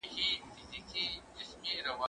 هغه څوک چي کتابتون کار کوي منظم وي؟!